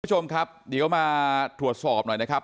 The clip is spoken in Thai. คุณผู้ชมครับเดี๋ยวมาตรวจสอบหน่อยนะครับ